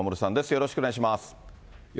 よろしくお願いします。